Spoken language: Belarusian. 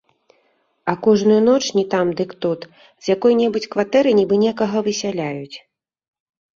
А кожную ноч, не там дык тут, з якой-небудзь кватэры нібы некага высяляюць.